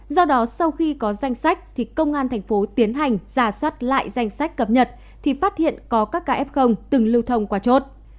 do đó sau khi có danh sách thì công an thành phố tiến hành giả soát lại danh sách cập nhật thì phát hiện có các kf từng lưu thông qua chốt